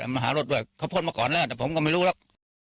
มาหารถด้วยเขาพ่นมาก่อนแล้วแต่ผมก็ไม่รู้หรอก